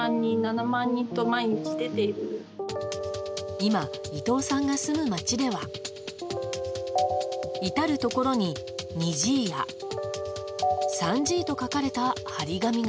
今、伊藤さんが住む街では至るところに２Ｇや３Ｇと書かれた貼り紙が。